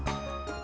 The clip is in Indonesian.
liat dong liat